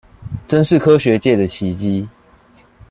真是科學界的奇蹟